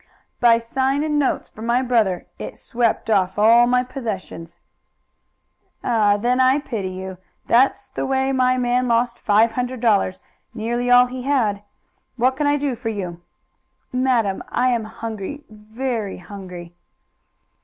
"By signin' notes for my brother. It swept off all my possessions." "Then I pity you. That's the way my man lost five hundred dollars, nearly all he had. What can I do for you?" "Madam, I am hungry very hungry."